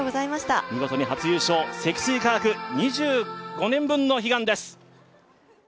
見事に初優勝、積水化学２５年分の悲願です。